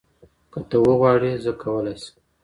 که ته وغواړې، زه کولای سم